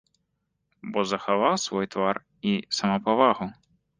Бо захаваў свой твар і самапавагу.